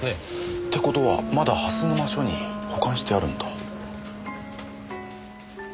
って事はまだ蓮沼署に保管してあるんだ。